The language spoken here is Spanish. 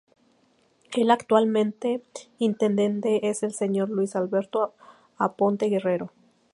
El actual intendente es el Señor Luis Alberto Aponte Guerrero.